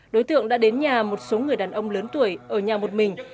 đối tượng đã đến nhà một số người đàn ông lớn tuổi ở nhà một mình